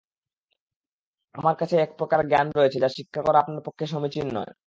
আমার কাছে এক প্রকার জ্ঞান রয়েছে যা শিক্ষা করা আপনার পক্ষে সমীচীন নয়।